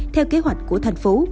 theo kế hoạch của tp